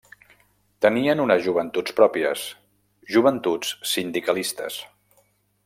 Tenien unes joventuts pròpies, Joventuts Sindicalistes.